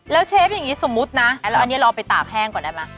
แล้วเชฟอย่างนี้สมมุตินะอันนี้ลองไปตากแห้งก่อนได้ไหม